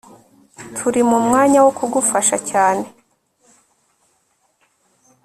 Turi mumwanya wo kugufasha cyane